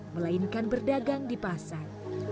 melainkan berdagang di pasar